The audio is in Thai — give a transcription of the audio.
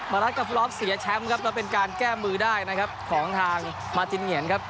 รัฐกับฟลอฟเสียแชมป์ครับแล้วเป็นการแก้มือได้นะครับของทางมาจินเหงียนครับ